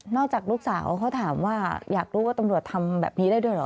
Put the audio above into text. จากลูกสาวเขาถามว่าอยากรู้ว่าตำรวจทำแบบนี้ได้ด้วยเหรอ